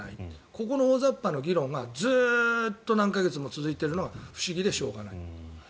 ここの大雑把な議論がずっと何か月も続いているのが不思議でしょうがない。